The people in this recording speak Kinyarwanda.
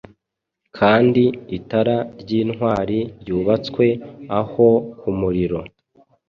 Kandi itara ryintwari ryubatswe aho kumuriro